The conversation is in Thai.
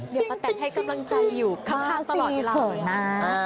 เดี๋ยวป้าแตนให้กำลังใจอยู่ข้างตลอดเวลาเลยนะ